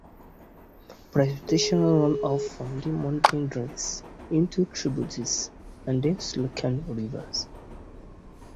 Precipitation runoff from the mountain drains into tributaries of the Slocan River.